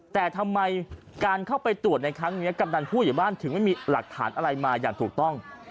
แต่ทำไมการเข้าไปตรวจในครั้งนี้กำนันผู้ใหญ่บ้านถึงไม่มีหลักฐานอะไรมาอย่างถูกต้อง